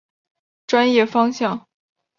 专业方向。